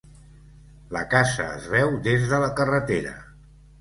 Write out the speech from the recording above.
La casa es veu des de la carretera.